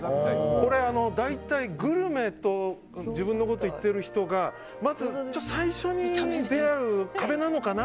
これ、大体グルメと自分のこと言ってる人がまず最初に出会う壁なのかな。